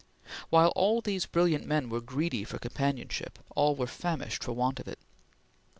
While all these brilliant men were greedy for companionship, all were famished for want of it.